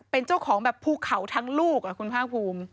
เป็นเจ้าของแบบภูเขาทั้งลูกคุณภาคภูมิ